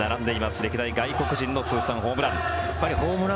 歴代外国人の通算ホームラン。